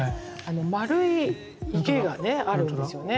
まるい池がねあるんですよね。